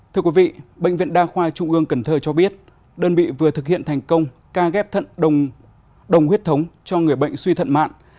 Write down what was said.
thưa quý vị bệnh viện đa khoa trung ương cần thơ cho biết đơn vị vừa thực hiện thành công ca ghép thận đồng huyết thống cho người bệnh suy thận mạng